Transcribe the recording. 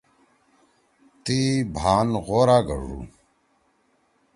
تی بھان غوار گھڙُو۔